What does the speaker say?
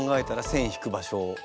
線引く場所を。